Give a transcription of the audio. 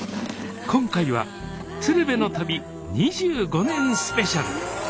今回は鶴瓶の旅２５年スペシャル。